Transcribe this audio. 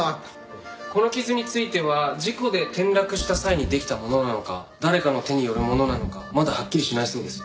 この傷については事故で転落した際にできたものなのか誰かの手によるものなのかまだはっきりしないそうです。